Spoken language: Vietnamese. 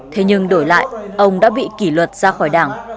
thế nhưng đổi lại ông đã bị kỷ luật ra khỏi đảng